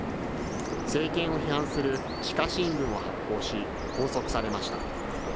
政権を批判する地下新聞を発行し、拘束されました。